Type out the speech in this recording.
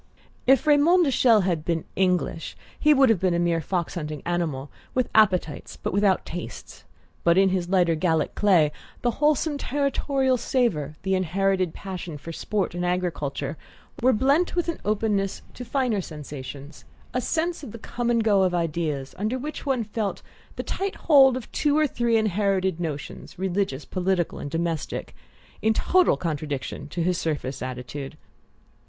If Raymond de Chelles had been English he would have been a mere fox hunting animal, with appetites but without tastes; but in his lighter Gallic clay the wholesome territorial savour, the inherited passion for sport and agriculture, were blent with an openness to finer sensations, a sense of the come and go of ideas, under which one felt the tight hold of two or three inherited notions, religious, political, and domestic, in total contradiction to his surface attitude.